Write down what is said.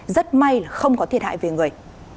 rất may là không có thiệt hại về người